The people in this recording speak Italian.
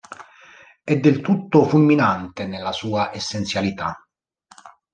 E del tutto fulminante nella sua essenzialità.